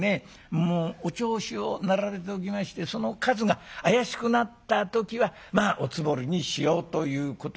もうおちょうしを並べておきましてその数が怪しくなった時はまあおつもりにしようということになるんだ。